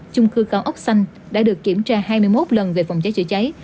chung cư cao ốc xanh đã được kiểm tra hai mươi một lần về phòng cháy chữa cháy